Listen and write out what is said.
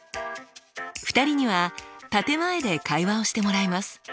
２人には建て前で会話をしてもらいます。